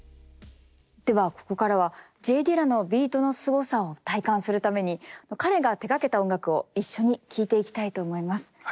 ではここからはＪ・ディラのビートのすごさを体感するために彼が手がけた音楽を一緒に聴いていきたいと思います。